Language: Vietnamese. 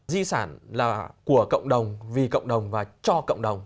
di sản là của cộng đồng vì cộng đồng và cho cộng đồng